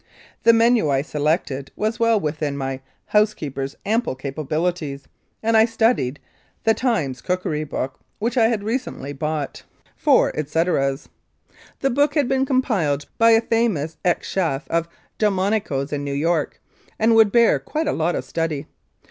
The menu I selected was well within my housekeeper's ample capabilities, and I studied "The Times Cookery Book," which I had recently bought, for 109 Mounted Police Life in Canada etceteras. The book had been compiled by a famous ex chef of Delmonico's, in New York, and would bear quite a lot of study.